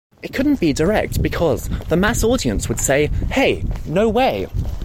It couldn't be direct because the mass audience would say, Hey, no way.